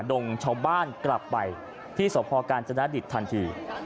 ดงชาวบ้านกลับไปที่สพกาญจนดิตทันที